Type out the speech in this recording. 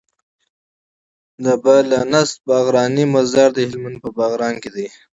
د بله نسته باغرانی مزار د هلمند په باغران کي دی